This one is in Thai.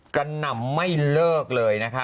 หนำไม่เลิกเลยนะคะ